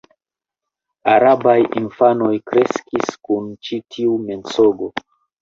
Arabaj infanoj kreskis kun ĉi tiu mensogo.